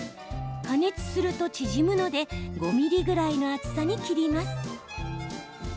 加熱すると縮むので５ｍｍぐらいの厚さに切ります。